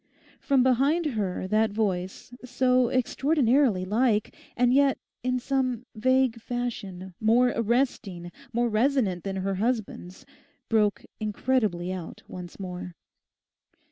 From behind her that voice, so extraordinarily like—and yet in some vague fashion more arresting, more resonant than her husband's, broke incredibly out once more.